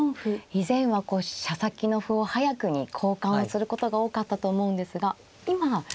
以前はこう飛車先の歩を早くに交換をすることが多かったと思うんですが今ようやく。